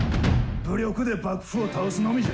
武力で幕府を倒すのみじゃ。